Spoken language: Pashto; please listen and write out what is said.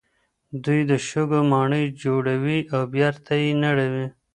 دوی د شګو ماڼۍ جوړوي او بېرته یې نړوي.